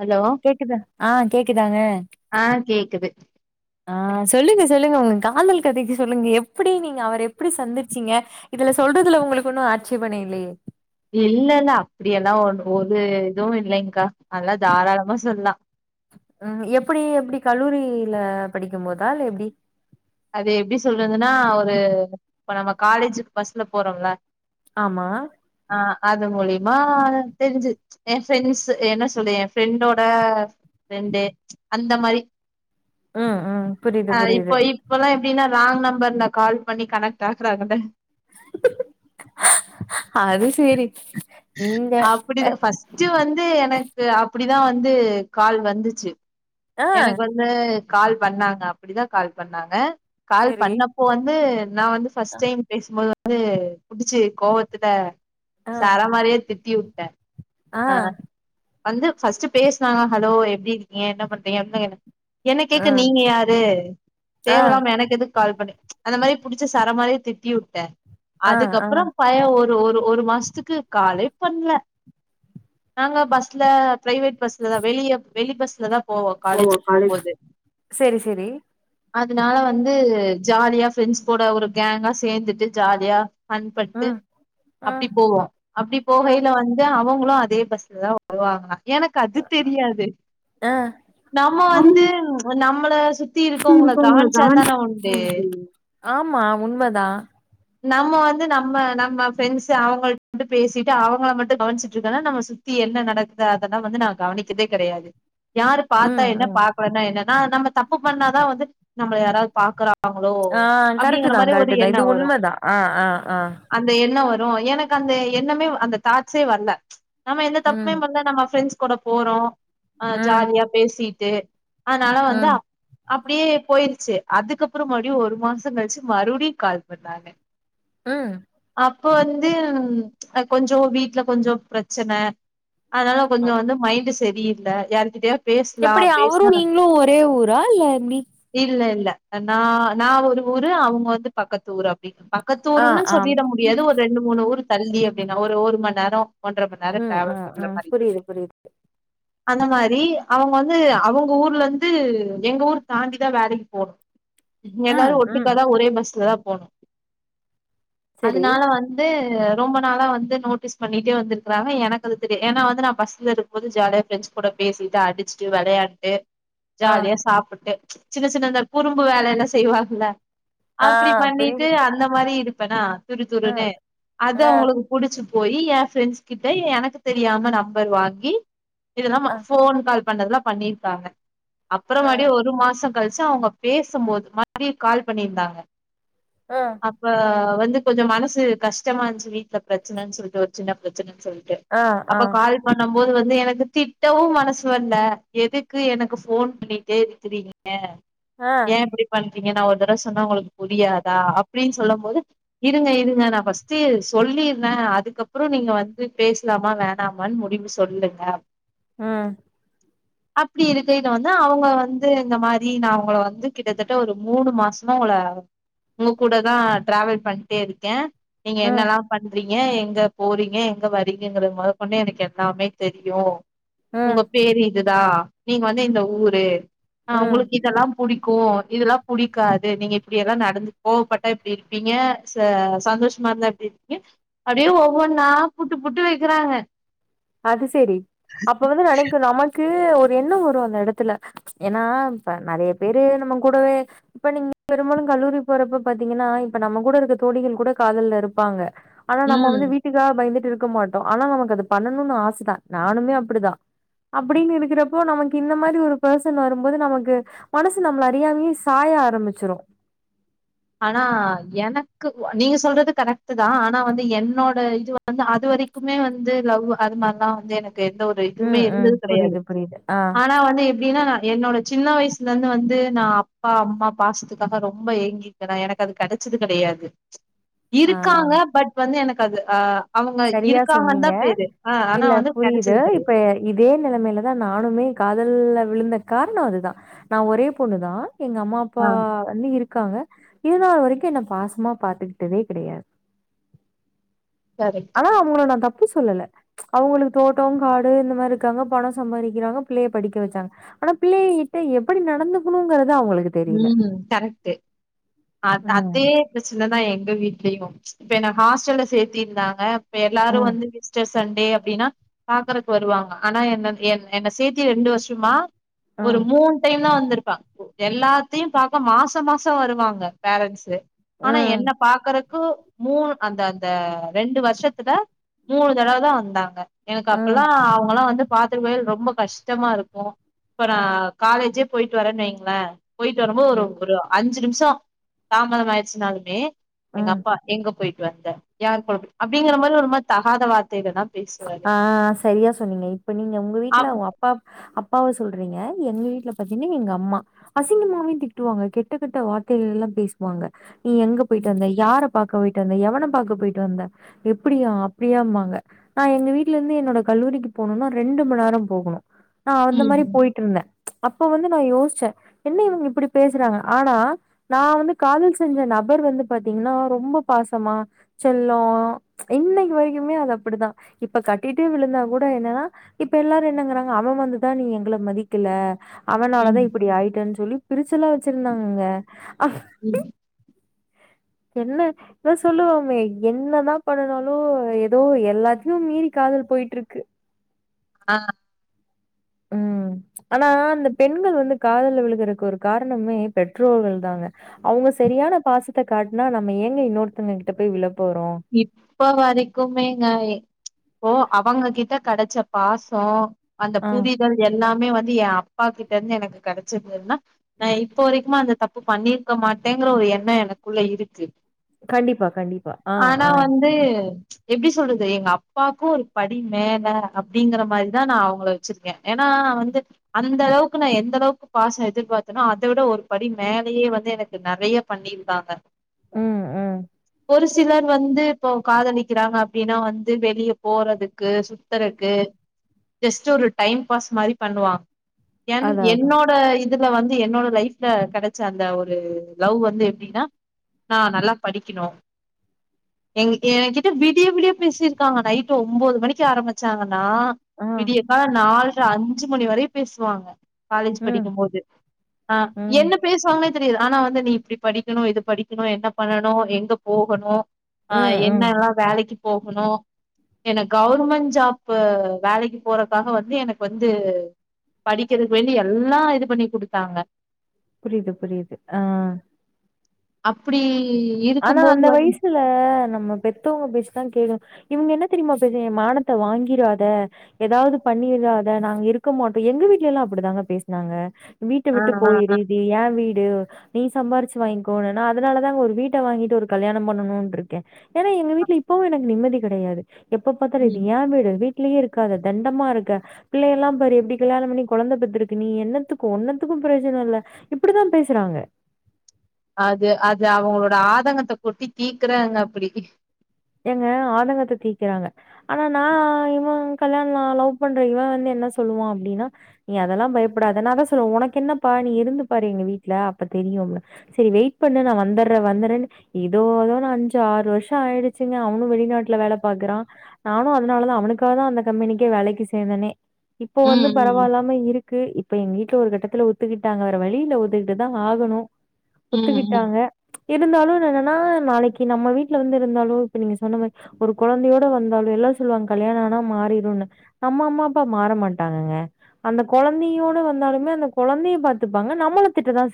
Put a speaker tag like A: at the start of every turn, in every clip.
A: Hello
B: கேக்குத ஆ கேக்குதாங்க
A: ஆ கேக்குது
B: ஆ சொல்லுங்க சிஸ் சொல்லுங்க உங்க காதல் கதைக்கு சொல்லுங்க எப்படி நீங்க அவர் எப்படி சந்திச்சீங்க இதுல சொல்றதுல உங்களுக்கு ஒன்னு ஆட்சியபண இல்லையே
A: இல்லல்ல அப்படியெல்லா ஒன்னு ஒரு இதுவு இல்லைங்க்கா அதல்லா தாராளமா சொல்லலா
B: உம் எப்டி எப்டி கல்லூரில படிக்கும் போதா இல்ல எப்டி
A: அது எப்டி சொல்றதுன்னா ஒரு இப்ப நம்ப காலேஜுக்கு பஸ்ல போறோம்ல
B: ஆமா
A: அஹ் அது மூலியமா தெரிஞ்சு எ ஃப்ரெண்ட்ஸ்சு என்ன சொல்றது எ ஃப்ரெண்டோட ஃப்ரெண்ட்டு ப்ச் அந்த மாரி
B: உம் உம் புரியுது புரியுது
A: எப்புடினா ராங் நம்பர்ல கால் பண்ணி கனெக்ட் ஆகுறாங்கள்ல
B: அது செரி
A: அப்படிதா ஃபஸ்ட் வந்து எனக்கு அப் அப்படிதா வந்து கால் வந்துச்சு
B: ஆ
A: எனக்கு வந்து கால் பண்ணாங்க அப்படிதா கால் பண்ணாங்க கால்
B: சரி
A: பண்ணப்போ வந்து நா வந்து
B: அ,
A: ஃபஸ்ட் டைம் பேசும்போது வந் அது குடிச்சு கோவத்துல
B: ஆ
A: சரா மாறியா திட்டி வு ட
B: ஆ
A: வந்து ஃபஸ்ட்டு பேசுனாங்கனா ஹலோ எப்டி இருக்கீங்க என்ன பண்றீங்க அப்டிதா கேக்கணு என்ன
B: ஆ
A: கேக்க நீங்க யாரு
B: ஆ
A: தேவல்லமா எனக்கு எதுக்கு கால் பண்ணி அந்த மாரி புடிச்சு சர மாரிய திட்டிவுட்டே
B: ஆ ஆ
A: அதுக்கப்புறோ பைய்ய ஒரு ஒரு ஒரு மாசத்துக்கு காலே பண்ல நாங்க பஸ்ல பிரைவேட் பஸ்லதா வெளிய வெளி பஸ்லதா
B: ஓ காலேஜ் செரி செரி
A: அதனால வந்து ஜாலியா ஃப்ரெண்ட்ஸ் கூட ஒரு கேங்கா சேந்துட்டு ஜாலியா ஆண்பட்டு
B: ம் ஆ
A: அப்படி போவோ அப்படி
B: ஆ
A: போகையில வந்து அவ ங்களு அதே பஸ்ல தா வருவாங்க எனக்கு அது தெரியாது
B: ஆ
A: நாம்ம வந்து
B: நம்மளுக்கு
A: நம்மள சுத்தி இருக்கவங்கள கவன்ச்சாதான உண்டு
B: வந்து ஆமா உண்மதா
A: நம்ம வந்து நம்ம நம்ம ஃப்ரெண்ட்ஸ் அவங்கள்ட பேசிட்டு அவங்கள மட்டு கவனிச்சிட் சு தான நம்ம சுத்தி என்ன நடக்குது அதெல்லா வந்து நா கவனிச்சதே கெடையாது யாரு பாத்தா
B: ம்
A: என்ன
B: ம்
A: பாக்கலனா என்ன நா நம்ம தப்பு பண்ணாதா வந்து நம்மள யாராவது பாக்குறாங்
B: ஆ கரெக்ட்டு தா கரெக்ட்டு தா இது
A: வரு
B: உண்மதா ஆ ஆ ஆ
A: ப்றோ எனக்கு அந்த என்னமே அந்த தாட்ஸே வரல நம்ம எந்த
B: ம்
A: தப்புமே பண்ல நம்ம ப்ரெண்ட்ஸ் கூட போறோ ஆ
B: ம்
A: ஜாலியா பேசிட் தே ஆனாலா வந்தா
B: ம்
A: அப்படியே போயிருச்சு அதுக்கப்புறோ மறுடியு ஒரு மாசோ கழிச்சு மறுபடியு கால் பண்ணாங்க
B: உம்
A: அப்போ வந்து அ கொஞ்சம் வீட்டுல கொஞ்சம் பிரச்சனை அதனால கொஞ்சம் வந்து மைண்ட் சரியில்ல யாருக்கிட்டையா
B: எப்படி அவரும் நீங்களும் ஒரே ஊரா இல்ல எப்டி
A: ல நா நா ஒரு ஊரு அவங்க வந்து பக்கத்து ஊர் அப் டி பக்கத்து
B: ஆ
A: ஊர்ன்னு
B: ஆ
A: சொல்லிட முடியாது ஒரு ரெண்டு மூணு ஊர் தள்ளிய அப்டின்னா ஒரு ஓரு மண் நேரம் மண் நேரம்
B: உம்
A: டிராவல்
B: உஹம்
A: பண்ற
B: உஹம்
A: மாரி.
B: புரியுது புரியுது
A: அந்த மாரி அவங்க வந்து அவங்க ஊர்ல இருந்து எங்க ஊர் தாண்டிதான் வேலைக்கு போனும்
B: ம்
A: எல்லாரும்
B: ம்
A: ஒட்டுக்காதான் ஒரே பஸ்ல தான் போனு
B: செரி
A: அதனால வந்து ரொம்ப நாளா வந்து நோட்டீஸ் பண்ணிட் டே வந்துருக்கறாங்க எனக்கு அது தெரியா ஏன்னா வந்து நான் பஸ்ல இருக்கும் போது ஜாலியா ப்ரெண்ட்ஸ் கூட பேசிட்டு அடிச்சுட்டு விளையாண்ட்டு
B: ஆ
A: ஜாலியா சாப்புட்டு சின்ன சின்ன இந்த குறும்பு வேலைலாம் செய்வாங்கல
B: ஆ
A: அப்படி பண்ணிட்டு
B: புரியுது
A: அந்த மாதிரி இருப் பண்ணா துரு
B: ம்
A: துருன்னே அது
B: ஆ
A: அவங்களுக்கு புடிச்சு போயி ஏ ப்ரெண்ட்ஸ் கிட்ட எனக்கு தெரியாம நம்பர் வாங்கி இதுல்லாம
B: ஆ
A: ஃபோன் கால் பண்ணதுல்லாம் பண்ணிருக்காங்க அப்புற மடியே
B: ம்
A: ஒரு மாசம் களிச்சுஅவங்க பேசும்போது மறுபடியுகால் பண்ணியிருந்தாங்க
B: ம்
A: அப்ப வந்து கொஞ்சம் மனசு கஷ்டமா இருந்துச்சு வீட்டுல பிரச்சனைன்னு சொல்ட்டு ஒரு சின்ன பிரச்சனை சொல்லிட்டு
B: ஆ ஆ
A: அப்ப கால் பண்ணு போது வந்து எனக்கு திட்டவும் மனசு வரல எதுக்கு எனக்கு ஃபோன் பண்ணிட்டே இருக்கிறீங்க
B: ஆ
A: ஏன் இப்படி பண் றீங்க ஒரு தடவை சொன்னா உங்களுக்கு புரியாதா அப்படின்னு சொல்லும் போது இருங்க இருங்க நான் ஃபர்ஸ்ட்டு சொல்லிறேன் அதுக்கப் புறம் நீங்க வந்து பேசலாமா வேணாமனு முடிவு சொல்லுங்க
B: உஹம்
A: அப்புடி இருக்குல வந்து அவுங்க வந்து இந்த மாரி நா அவுங்கள வந்து கிட்டத்தட்ட ஒரு மூணு மாசமா உங்கள உங்க கூடதா டிராவல் பண்டே இருக்கே நீங்க
B: ம்
A: என்னெல்லா பண்றீங் ஏன் எங்க போறீங்க எங்க வரீங்க என்கற முதற்கொண்டு எனக்கு எல்லாமே தெரியு உங்க
B: ம்
A: பேரி இதுதா நீங்க வந்து இந்த ஊரு ஆஹ்
B: ம்
A: உங்களுக்கு இதெல்லா புடிக் கோவோ இதெல்லா புடிக்காது நீங்க இப்புடியேல்லா நடந்து கோவப்பட்டா இப்பிடி இருப்பீங்க ச சந்தோஷமா இருந்தா எப்பிடி இருப்பீங்க அப்டியே ஒ ஒவ்வொன்னா புட்டு புட்டு வைக்கிறாங்க
B: அது சரி அப்ப வந்து நெனைக்கு நம க்கு ஒரு எண்ணம் வரும் அந்த எடத்துல ஏன்னா இப்ப நறைய பேரு நம்ம கூடவே இப்ப நீங்க பெரும்பாலும் கல்லூரி போறப்ப பாத்தீங்கன்னா இப்ப நம்ம கூட இருக்க தோழிகள் கூட காதல் இருப்பாங்க ஆனா நம்ம
A: ம்
B: வந்து வீட்டுக்காக பயந்துட்டு இருப் க்க மாட்டோ ஆனா நமக்கு அது பண்ணணும்ன்னு ஆசதா நானுமே அப்புடிதா அப்டின்னு இருக்குறப்போ நமக்கு இந்த மாரி ஒரு பர்சன் வரும்போது நமக்கு மனசு நம்மல அறியாமலே சாய ஆரம்பிச்சிரும்
A: ஆனா எனக்கு நீங்க சொல்றது கரெக்ட்டு தா ஆனா வந்து என்னோட இது வந்து அது வரைக்குமே வந்து லவ் அது மாரிலாம் வந்து எனக்கு தே எந்த ஒரு இதுவுமே
B: ம் ம்
A: இருந்தது கெடையாது
B: புரியுது புரியுது ஆ
A: ஆனா வந்து எப்டின்னா என்னோட சின்ன வயசுலருந்து வந்து நா அப்பா அம்மா பாசத்துக்காக ரொம்ப ஏங்கி ஏன்னா எனக்கு அது கெடைச்சது கெடையாது
B: ஆ
A: இருக்காங்க பட் வந்து எனக்கு க்கு அது ஆஹ்
B: சரியா சொன்னீங்க
A: ஆனா
B: இல்ல
A: வந்து
B: புரியுது
A: கெடைச்சது
B: இப்ப
A: கெடையாது.
B: இதே நெலைமையில தா நானுமே காதல் விழுந்த காரணம் அதுதா நா ஒரே பொண்ணு தா எங்க அம்மா அப்பா
A: ஆ
B: வந்து இருக் இருக்காங்க இதுநாள் வரைக்கு என்ன பாசமா பாத்துக்கிடடதே கெடையாது
A: கரெக்ட்.
B: ஆனா அவுங்கள நா தப் பு சொல்லல்ல அவுங்களுக்கு தோட்டம் காடு இந்த மாரி இருக்காங்க பணம் சம்பாறிக்கிறாங்க பிள்ளைய படிக்க வச்சாங்க ஆனா பிள்ளையங்கிட்ட எப்புடி நடந்துக்கணுங்கற
A: உம் கரெக்ட்டு அ
B: ம்,
A: அதே பிரச்சனதா எங்க வீட்லயு இப்ப என்ன ஹாஸ்டல்ல சேத்தி இருந்தாங்க இப்ப எல்லாரு
B: ம்,
A: வந்து [unintelligible] ட்ரெஸ் சண்டே அப்டின்னா பாக்குறக்கு வருவாங்க ஆனா என்னன் ஏ என்ன என்ன சேத்தி ரெண்டு வர்சுமா ஒரு
B: ம்,
A: மூணு டைம் தா வந்து தா கோ எல்லாத்தியு பாக்க மாசோ மாசோ வருவாங்க பேரன்ஸ்சுவே ஆனா என்ன
B: ம்,
A: பாக்குறக் கூ மூனு அந்த அந்த ரெண்டு வர்ஷத்தில மூனு தடவ தா வந்தாங்க எனக்கு
B: ம்,
A: அப்பல்லா அவங்க எல்லா வந்துப் பாத்தரமே ரொம்ப கஷ்டமா இருக்கு இப்ப நா காலேஜே போயிட்டு வரன் வைங்களே போயிட்டு வரும்போது ஒரு
B: ம்,
A: ஒரு அஞ்சி நிமிஷ் சா தாமதம் ஆயிடுச்சினாலுமே எங்க
B: ம்.
A: அப்பா எங்க போயிட் வந்த யாரு கொழம் அப்டிங்கற மாறி ஒரு மாதி தகாத வார்
B: அ அ அ சரியா சொன்னீங்க இப்ப நீங்க உங்க வீட்ல
A: அப்
B: ஓ அப்பாம் அப் அப்பாவ சொல்றீங்க எங்க வீட்ல பத்தீங்கன்னா எங்க அம்மா அசிங்கமாவே திட்டுவாங்க கெட்ட கெட்ட வார்த்தைகள்லா பேசுவாங்க நீ எங்க
A: ம்
B: போயிட்டு வந்த யார பாக்க போயிட்டு வந்த எவன பாக்க போயிட்டு வந்த எப்டியா அப்டியாம்பாங்க நா எங்க வீட்லருந்து என்னோடய கல்லூரிக்கு போணுன்னா ரெண்டு மணிநேரோ போகனு நா அந்த மாறி
A: ம்
B: போயிட்டு இருந்தே அப்ப வந்து நா யோசிச்சே என்ன இவங்க இப்டி பேசுறாங்க ஆனா நா வந்து காதல் செஞ்ச நபர் வந்து பாத்தீங்கன்னா ரொம்ப பாசமா செல்லோ இன்னைக்கு வரைக்குமே அது அப்டிதா இப்ப கட்டிட்டே விழுந்தா கூட என்னன்னா இப்ப எல்லாரு என்னங்கறாங்க அவ வந்துதா நீ எங்கள மதிக்கல அவனால தா
A: ம்
B: இப்டி ஆயிட்டன் சொல்லி பிரிச்சுல்லா வச்சிருந்தாங்கங்க அங்
A: உம்
B: என்ன இவா சொல்லுவாமே என்னதா பண்ணுனாலு ஏதோ எல்லாத்தையு மீறி காதல் போயிட்டு இருக்கு
A: ஆ
B: உம் ஆனா அந்த பெண்கள் வந்து காதல்ல விழுகுறக்கு ஒரு காரணமே பெற்றோர்கள் தாங்க அவங்க சரியான பாசத்த காட்னா நம்ம ஏங்க இன்னொருத்தவங்க கிட்ட போய் விளப்
A: இப்ப வரைக்குமேங்க ஓ அவங்க கிட்ட கெடச்ச பாசோ அந்த
B: ஆ
A: புரிதல் எல்லாமே வந் என் அப்பா கிட்ட இருந்து எனக்கு கெடச்சது எதுனா நா இப்போ வரைக்குமே அந்த தப்பு பண்ணிருக்க மாட்டேங்குற ஒரு எண்ணோ எனக்குள்ள இருக்கு
B: கண்டிப்பா கண்டிப்பா ஆ
A: ஆனா
B: ஆ
A: வந்து எப்டி சொல்றது எங்க அப்பாக்கும் ஒரு படி மேல அப்டிங்கிற மாறிதா நா அவங்கள வச்சிருக்கே ஏன்னா நா வந்து அந்த அளவுக்கு நா எந்த அளவுக்கு பாச எதிர்பாத்தேனா அத விட ஒரு படி மேலேயே வந்து எனக்கு நெறைய பண்ணிருக்காங்க
B: உம் உம்
A: ஒரு சிலர் வந்து இப்போ காதலிக்கிறாங்க அப்படின்னா வந்து வெளியே போறதுக்கு சுத்துறக்கு ஜஸ்ட் ஒரு டைம் பாஸ் மாரி பண்ணுவாங்க என்
B: அதா அதா
A: என்னோட இ இதுல வந்து என்னோட லைஃப்ல கெடச்ச அந்த ஒரு லவ் வந்து எப்டின்னா நா நல்லா படிக்கணு எ என கிட்ட விடிய விடிய பேசிருக்காங்க நைட் ஒம்பது மணிக்கு ஆரம்பிச்சாங்க னா
B: ஆ
A: விடியக்கா நாள் அஞ்சு மணி வரையு பேசுவாங்க காலேஜ்
B: ம்
A: படிக்கும்போது ஆஹ்
B: ம்
A: என்ன பேசுவாங்கன்னு தெரியது ஆனா வந்து நீ இப்டி படிக்கணும் இது படிக்கணும் என்ன பண்ணனும் எங்க போகணும் ஆஹ்
B: ம் ம்
A: என்னல்லாம் வேலைக்கு போகணும் என கவுர்மெண்ட் ஜாப் வேலைக்கு போறக்காக வந்து எனக்கு வந்து படிக்கிறதுக்கு வேண்டி எல்லாம் இது பண்ணி குடுத்தாங்க
B: புரியுது புரியுது ஆஹ்
A: அப்டி
B: ஆனா
A: இருக்கும்போது
B: அந்த
A: வந்து
B: வயசுல நம் பெத்தவங்க பேசிதான் கேக்றோ இவங்க என்ன தெரியுமா பேசு மானத்தை வாங்கிராத ஏதாவது பண்ணிடாத நாங்க இருக்க மாட்டோம் எங்க வீட்டுல எல்லாம் அப்படிதாங்க பேசினாங்க வீட்ட
A: ஆ
B: விட்டு
A: ஆ ஆ
B: போயிரு இது ஏன் வீடு நீ சம்பாரிச்சு வாங்கிக்கோ நா அதனால தாங்க ஒரு வீட்டு வீட்ட வாங்கிட்டு ஒரு கல்யாணம் பண்ணணுனு இருக்கேன் ஏன்னா எங்க வீட்டுல இப்பவும் எனக்கு நிம்மதி கிடையாது எப்ப பாத்தாலு இது
A: ம்
B: ஏன் வீடு வீ வீட்லயே இருக்காத தண்டமா இருக்க பிள்ளை எல்லாம் பாரு எப்டி கல்யாணம் பண்ணி கொழந்தை பெத்துருக்கு நீ என்னத்துக்கும் ஒன்னத்துக்கும் பிரயோஜனம் இல்ல இப்படித்தான் பேசுறாங்க
A: அது அது அவுங்களோட ஆதங்கத்தை கொட்டி தீக்குறாங்க அப்படி
B: எங்க ஆதங்கத்தை தீக்கிறாங்க ஆனா நான் இமா கல்யாணம் நான் லவ் பண்ற இவன் வந்து என்ன சொல்லுவான் அப்டின்னா நீ அதெல்லாம் பயப்படாத நான் அதான் சொல்லுவன் உனக்கு என்னப்பா நீ இருந்து பாரு எங்க வீட்டுல அப்ப தெரியும் சரி வெயிட் பண்ணு நான் வந்துடுற வந்துறேன்னு ஏதோ ஏதோ அஞ்சு ஆறு வருஷம் ஆயிடுச்சு ச்சுங்க அவனும் வெளிநாட்டுல வேல பாக்குறான் நானும் அதனாலதான் அவனுக்காக தான் அந்த கம்பெனிக்கே வேலைக்கு சேர்ந்தனே இப்ப வந்து
A: ம் ம்
B: பரவால்லாம இருக்கு இப்ப எங்க வீட்டுல ஒரு கட்டத்துல ஒத்துக்கிட்டாங்க வேற வழியில ஒத்துக்கிட்டு தான் ஆகணும்
A: ம் ம்
B: ஒத்துக்கிட்டாங்க இருந்தாலும் என்னன்னா நாளைக்கு நம்ம வீட்டுல வந்து இருந்தாலும் இப்ப நீங்க சொன்ன மாதிரி ஒரு கொழந்தையோட வந்தாலும் எல்லாம் சொல்லுவாங்க கல்யாணம் ஆனா மாறிடும் நம்ம அம்மா அப்பா மாற மாட்டாங்கங்க அந்த குழந்தையோட வந்தாலுமே அந்த குழந்தைய பாத்துப்பாங்க நம்மள திட்டதான்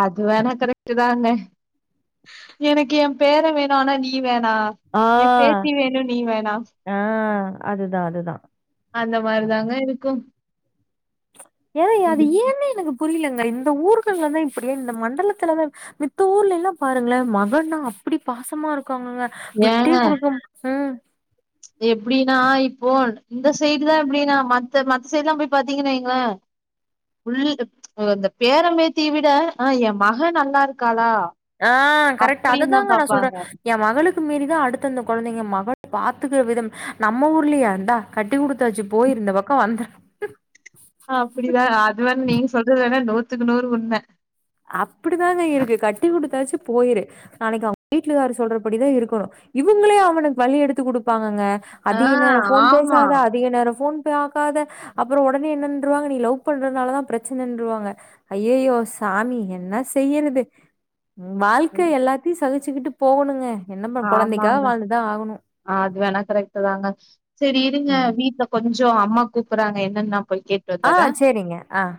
A: அது வேண கரெட்டு தாங்க எனக்கு என் பேர வேணானா நீ வேணா
B: ஆ
A: ஏன் பேத்தி வேணும் நீ வேணா
B: ஆ அதுதா அதுதா
A: அந்த மாரி தாங்க இருக்கும்
B: எத அது ஏன்னே எனக்கு புரியலங்க இந்த ஊர்கள்ல தான் இப்படியா இந்த மண்டலத்துலதா மித்த ஊர்ல எல்லாம் பாருங்களே மகனா அப்டி பாசமா இருக்கும் ங்கங்க விட்டே கொடுக்கும் உம்
A: எப்படீனா இப்போ இந்த சைடு தான் இப்படின்னா மத்த மத்த சைடு எல்லாம் போய் பாத்தீங்கன்னா இந்த பேரம்பேத்தி விட ஆஹ் என் மக நல்லா இருக்காளா
B: ஆஹ் கரெக்ட்
A: அப்படின்னு தான்
B: அதைதாங்க நான்
A: பாப்பாங்க
B: சொல்றேன் என் மகளுக்கு மீறி தான் அடுத்தந்த குழந்தைங்க மகள் பார்த்துக்கிற விதம் நம்ம ஊர்லயே இந்தா க கட்டி குடுத்தாச்சு போயிருந்த பக்கம் வந்து
A: அப்டிதான் அது வேணா நீங்க சொல்றது வேன்னா நூத்துக்கு நூறு உண்ம
B: அப்படிதாங்க இருக்கு கட்டி குடுத்தாச்சு போயிரு நாளைக்கு அவங்க வீட்டுக்காரு சொல்றபடிதான் இருக்கணும் இவங்களே அவனுக்கு வழி எடுத்து குடுப்பாங்கங்க
A: ஆ
B: அதிக நேரம் ஃபோன்
A: ஆமா
B: பேசாதே அதிக நேரம் ஃபோன் பாக்காத அப்புறம் உடனே என்னன்றுவாங்க நீ லவ் பண்றதுனால தான் பிரச்சனைன்றுவாங்க ஐய்யயோ சாமி என்ன செய்யறது உம் வாழ்க்கை எல்லாத்தையும் சகிச்சக்கிட்டு போகணுங்க என்ன பண்ண குழந்தைக்காக
A: ஆமாங்க
B: வாழ்ந்துதான் ஆகணும்
A: ஆ, அது வேணா கரெக்ட் தாங்க செரி இருங்க வீட்டுல கொஞ் சம் அம்மா கூப்புறாங்க என்னென்னு
B: ஆஹ் செரிங்க ஆஹ்